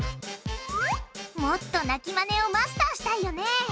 もっと鳴きマネをマスターしたいよね。